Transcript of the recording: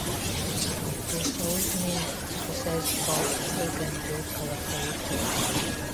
Their soles need to possess both "slip" and "grip" characteristics.